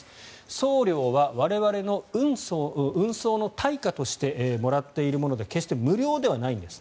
送料は我々の運送の対価としてもらっているもので決して無料ではないんです